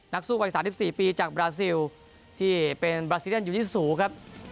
สู้วัย๓๔ปีจากบราซิลที่เป็นบราซิเลียนยูยิซูครับ